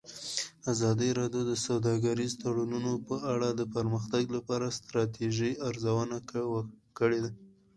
ازادي راډیو د سوداګریز تړونونه په اړه د پرمختګ لپاره د ستراتیژۍ ارزونه کړې.